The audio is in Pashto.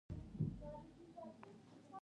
لغړی چې موږ یې له تاڼو تېرولو.